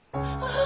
ああ！